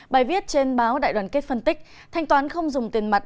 bài viết trên báo đại đoàn kết phân tích thanh toán không dùng tiền mặt